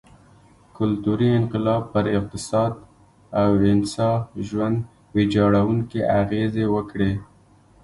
کلتوري انقلاب پر اقتصاد او انسا ژوند ویجاړوونکې اغېزې وکړې.